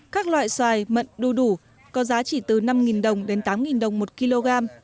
các loại xoài mận đu đủ có giá chỉ từ năm đồng đến tám đồng một kg